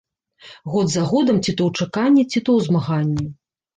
Год за годам ці то ў чаканні, ці то ў змаганні.